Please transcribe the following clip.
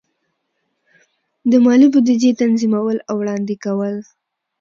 د مالی بودیجې تنظیمول او وړاندې کول.